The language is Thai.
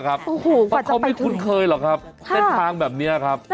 โอ้โฮกว่าจะไปถึงไหนนะครับเขาไม่คุ้นเคยหรอกครับแสนทางแบบนี้นะครับค่ะ